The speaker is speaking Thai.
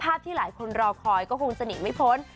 ที่หลายคนรอคอยก็คงจะหนีไม่พ้น